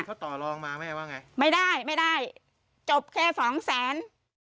เขาต่อรองมาแม่ว่าไงไม่ได้ไม่ได้จบแค่สองแสน